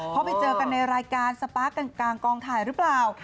เขาไปเจอกันในรายการสปาร์คกลางกองถ่ายหรือเปล่า